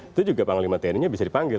itu juga panglima tni nya bisa dipanggil